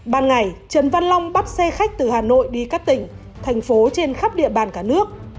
ban ngày trần văn long bắt xe khách từ hà nội đi các tỉnh thành phố trên khắp địa bàn cả nước